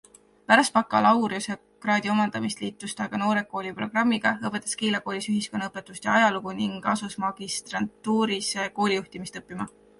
Pärast bakalaureusekraadi omandamist liitus ta aga Noored Kooli programmiga, õpetas Keila koolis ühiskonnaõpetust ja ajalugu ning asus magistrantuuris koolijuhtimist õppima.